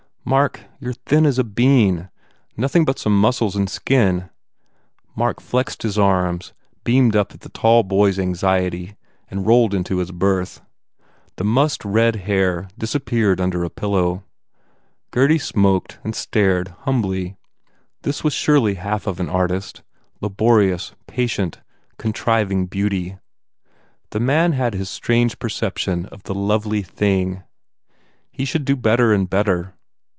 "Mark, you re thin as a bean! Nothing but some muscles and skin." Mark flexed his arms, beamed up at the tall boy s anxiety and rolled into his berth. The mussed red hair disappeared under a pillow. Gurdy smoked and stared humbly. ... This was surely half of an artist, laborious, patient, contriving beauty. The man had this strange perception of the lovely thing. He should do better and better.